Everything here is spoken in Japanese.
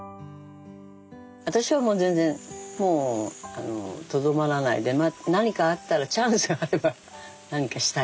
私はもう全然もうとどまらないで何かあったらチャンスがあれば何かしたい。